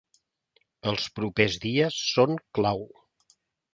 Els propers dies són clau.